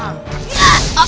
aku akan menjagamu